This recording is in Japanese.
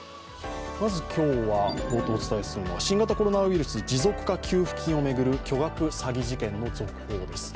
まず今日は冒頭お伝えするのは新型コロナウイルス持続化給付金の巨額詐欺事件の続報です。